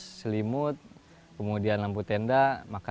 ada matras selimut kemudian lampu tenda makan pagi dan makan malam